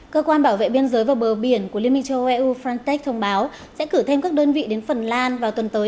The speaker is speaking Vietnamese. cơ quan bảo vệ biên giới và bờ biển của liên minh châu âu eu frontex thông báo sẽ cử thêm các đơn vị đến phần lan vào tuần tới